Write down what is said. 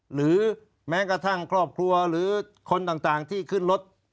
หรือแม้กระทั่งครอบครัวหรือคนต่างที่ขึ้นรถ